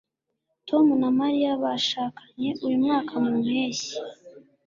tom na mariya bashakanye uyu mwaka mu mpeshyi